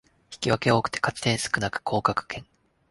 引き分け多くて勝ち点少なく降格圏